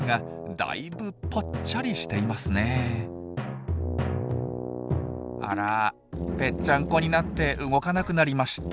あらぺっちゃんこになって動かなくなりました。